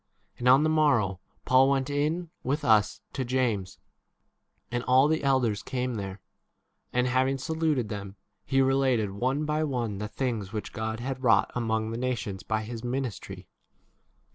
And on the morrow Paul went in with us to James, and all the elders 19 came there. And having saluted them, he related one by one the things which God had wrought among the nations by his ministry.